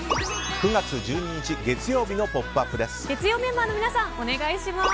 ９月１２日、月曜日の「ポップＵＰ！」です。